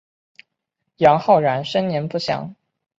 杨浩然生年不详。